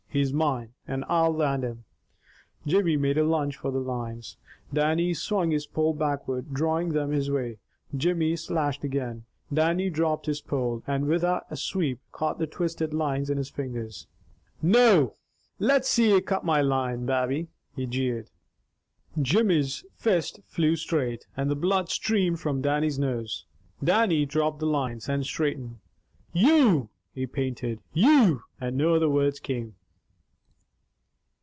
He's mine, and I'll land him!" Jimmy made a lunge for the lines. Dannie swung his pole backward drawing them his way. Jimmy slashed again. Dannie dropped his pole, and with a sweep, caught the twisted lines in his fingers. "Noo, let's see ye cut my line! Babby!" he jeered. Jimmy's fist flew straight, and the blood streamed from Dannie's nose. Dannie dropped the lines, and straightened. "You " he panted. "You " And no other words came.